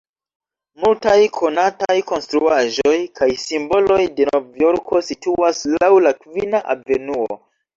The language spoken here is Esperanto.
Multaj konataj konstruaĵoj kaj simboloj de Novjorko situas laŭ la Kvina Avenuo.